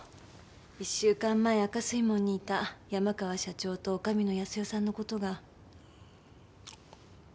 １週間前赤水門にいた山川社長と女将の康代さんのことが。